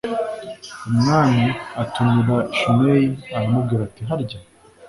Umwami atumira shimeyi aramubwira ati harya